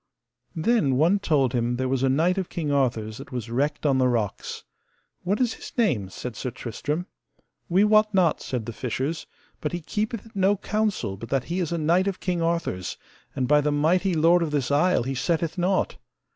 Then one told him there was a knight of King Arthur's that was wrecked on the rocks. What is his name? said Sir Tristram. We wot not, said the fishers, but he keepeth it no counsel but that he is a knight of King Arthur's, and by the mighty lord of this isle he setteth nought.